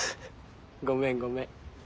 ごめんごめん。